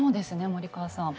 森川さん。